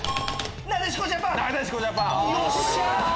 よっしゃ！